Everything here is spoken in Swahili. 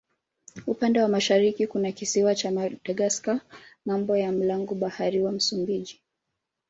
Upande wa mashariki kuna kisiwa cha Madagaska ng'ambo ya mlango bahari wa Msumbiji.